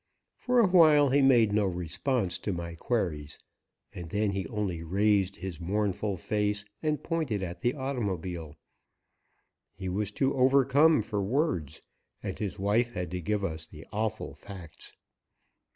For awhile he made no response to my queries, and then he only raised his mournful face and pointed at the automobile. He was too overcome for words, and his wife had to give us the awful facts.